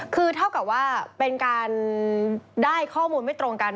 คือเท่ากับว่าเป็นการได้ข้อมูลไม่ตรงกัน